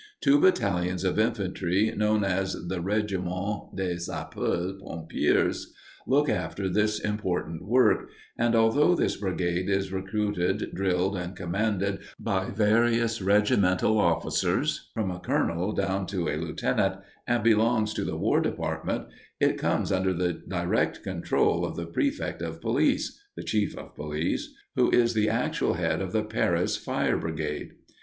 Two battalions of infantry, known as the "Regiment des Sapeurs Pompiers," look after this important work, and although this brigade is recruited, drilled, and commanded by various regimental officers, from a colonel down to a lieutenant, and belongs to the war department, it comes under the direct control of the Prefect of Police (Chief of Police), who is the actual head of the Paris fire brigade.